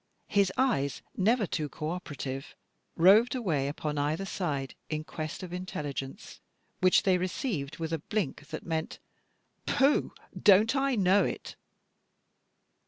His eyes, never too co operative, roved away upon either side, in quest of intelligence, which they received with a blink that meant, "Pooh, don't I know it?"